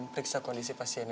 ada ribut tadi sikat men